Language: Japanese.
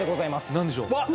何でしょううわ